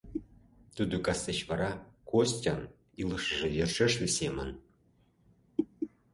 Тудо кас деч вара Костян илышыже йӧршеш весемын.